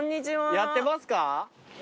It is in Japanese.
やってます。